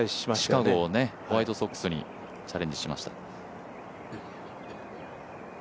シカゴ・ホワイトソックスにチャレンジしました。